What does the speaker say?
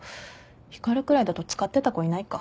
光くらいだと使ってた子いないか。